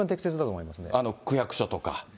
区役所とか。